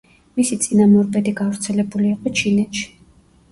მისი წინამორბედი გავრცელებული იყო ჩინეთში.